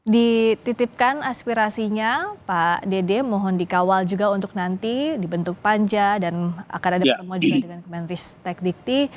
dititipkan aspirasinya pak dede mohon dikawal juga untuk nanti dibentuk panja dan akan ada permohonan dengan kementerian riset dan teknik